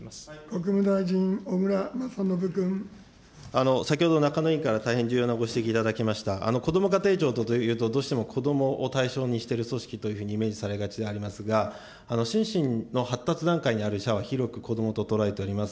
国務大臣、先ほど、中野委員から大変重要なご指摘をいただきました、こども家庭庁というと、どうしても子どもを対象にしてる組織というふうにイメージされがちでありますが、心身の発達段階にある者は広く子どもと捉えております。